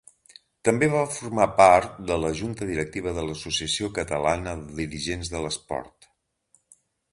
També va formar part de la Junta Directiva de l'Associació Catalana de Dirigents de l'Esport.